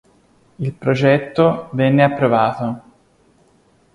Il progetto venne approvato.